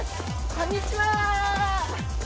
こんにちは！